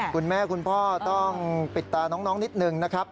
คุณแม่คุณพ่อต้องปิดตาน้องนิดหนึ่งนะครับ